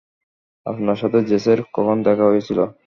আপনার সাথে জেসের কখন দেখা হয়েছিল?